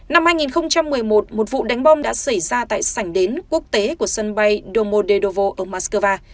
năm hai nghìn một mươi một một vụ đánh bom đã xảy ra tại sảnh đến quốc tế của sân bay domodeo ở moscow